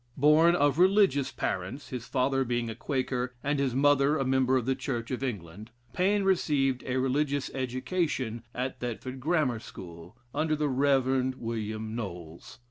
Born of religious parents (his father being a Quaker, and his mother a member of the Church of England,) Paine received a religious education at Thetford Grammar School, under the Rev. William Knowles.